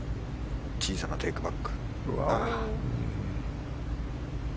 小さなテイクバック。